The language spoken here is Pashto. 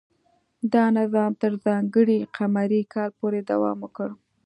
دا نظام تر ځانګړي قمري کال پورې دوام وکړ.